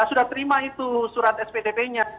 sudah terima itu surat spdp nya